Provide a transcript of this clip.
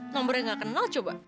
nomornya nggak kenal coba